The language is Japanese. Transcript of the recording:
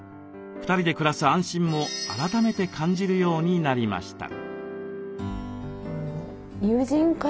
２人で暮らす安心も改めて感じるようになりました。